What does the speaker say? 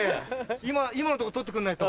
今のとこ撮ってくんないと。